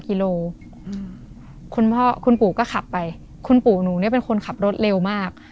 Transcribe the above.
กิโลคุณพ่อคุณปู่ก็ขับไปคุณปู่หนูเนี่ยเป็นคนขับรถเร็วมาก